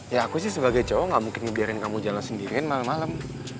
ya aku sih sebagai cowok ga mungkin ngebiarin kamu jalan sendirian malem malem